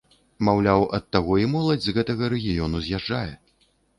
Маўляў, ад таго і моладзь з гэтага рэгіёну з'язджае.